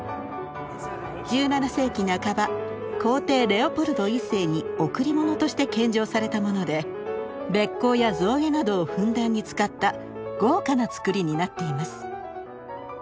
１７世紀半ば皇帝レオポルド１世に贈り物として献上されたものでべっ甲や象牙などをふんだんに使った豪華なつくりになっています。